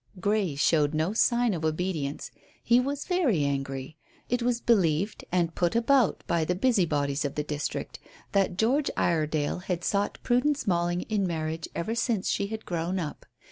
Grey showed no sign of obedience; he was very angry. It was believed and put about by the busy bodies of the district, that George Iredale had sought Prudence Malling in marriage ever since she had grown up.